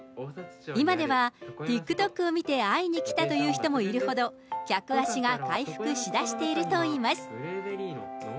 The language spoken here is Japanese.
今では、ＴｉｋＴｏｋを見て会いに来たという人もいるほど、客足が回復しだしているといいます。